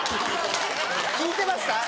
聞いてました？